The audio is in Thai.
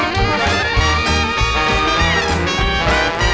โปรดติดตามต่อไป